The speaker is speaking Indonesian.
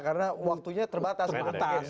karena waktunya terbatas